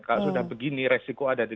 kalau sudah begini resiko akan jatuh